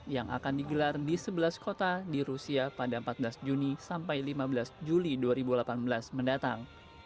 yang akan digelar di sebelas kota di rusia pada empat belas juni sampai lima belas juli dua ribu delapan belas mendatang